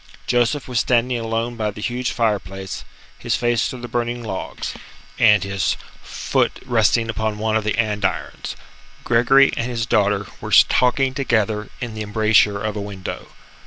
Joseph was standing alone by the huge fire place, his face to the burning logs, and his foot resting upon one of the andirons. Gregory and his daughter were talking together in the embrasure of a window.